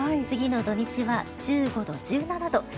次の土日は１５度、１７度。